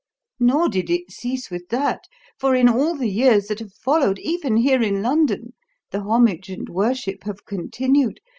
Nor did it cease with that, for in all the years that have followed, even here in London, the homage and worship have continued.